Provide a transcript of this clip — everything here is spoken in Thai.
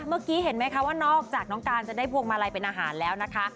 เมื่อกี้เห็นไหมคะว่านอกจากน้องการจะได้พวงมาลัยเป็นอาหารแล้วนะคะ